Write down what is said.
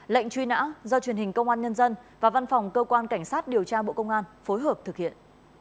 lệnh truy nã do truyền hình công an nhân dân và văn phòng cơ quan cảnh sát điều tra bộ công an phối hợp thực hiện